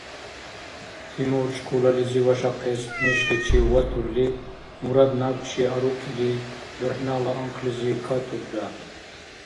Тимур школализи вашахъес нешличив ватурли, Мурад набчи арукили, дурхӀнала анхълизи катурра.